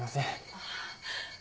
ああ。